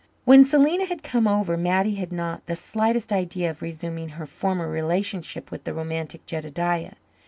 When Selena had come over Mattie had not the slightest idea of resuming her former relationship with the romantic Jedediah.